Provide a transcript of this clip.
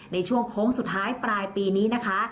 ในช่วงโค้งสุดท้ายปลายปีนี้นะคะ